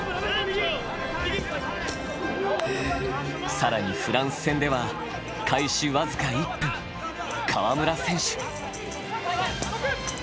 さらに、フランス戦では開始僅か１分、川村選手。